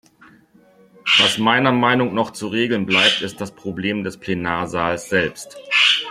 Was meiner Meinung noch zu regeln bleibt, ist das Probleme des Plenarsaals selbst.